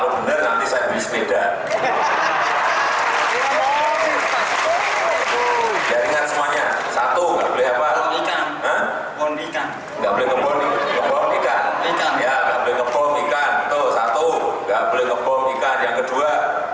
nggak boleh ngebom ikan satu nggak boleh ngebom ikan yang kedua